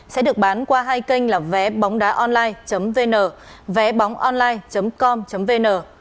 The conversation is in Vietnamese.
sẽ được bán qua hai kênh là vébóngdaonline vn vébóngonline vn